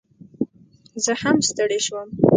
زه هم ستړي شوم